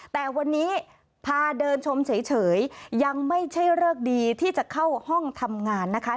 แต่วันนี้พาเดินชมเฉยยังไม่ใช่เลิกดีที่จะเข้าห้องทำงานนะคะ